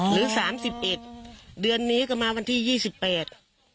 หรือสามสิบเอ็ดเดือนนี้ก็มาวันที่ยี่สิบแปด